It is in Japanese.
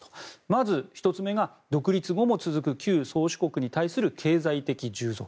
まず１つ目が独立後も続く旧宗主国に対する経済的従属。